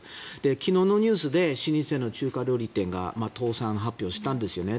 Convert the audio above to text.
昨日のニュースで老舗の中華料理店が倒産発表したんですよね。